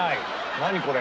何これ？